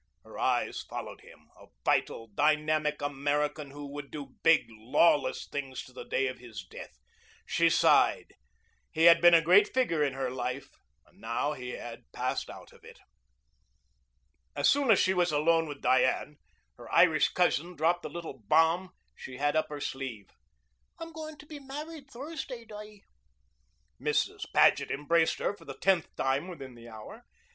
Her eyes followed him, a vital, dynamic American who would do big, lawless things to the day of his death. She sighed. He had been a great figure in her life, and now he had passed out of it. [Illustration: FOR HIM THE BEAUTY OF THE NIGHT LAY LARGELY IN HER PRESENCE] As soon as she was alone with Diane, her Irish cousin dropped the little bomb she had up her sleeve. "I'm going to be married Thursday, Di." Mrs. Paget embraced her for the tenth time within the hour.